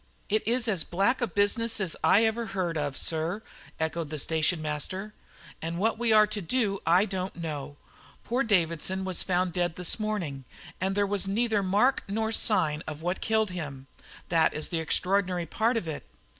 "It is as black a business as I ever heard of, sir," echoed the station master; "and what we are to do I don't know. Poor Davidson was found dead this morning, and there was neither mark nor sign of what killed him that is the extraordinary part of it.